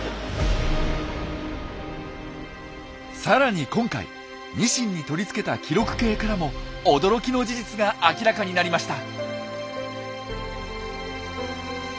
さらに今回ニシンに取り付けた記録計からも驚きの事実が明らかになりました。